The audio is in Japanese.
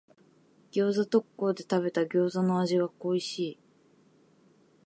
餃子特講で食べた餃子の味が恋しい。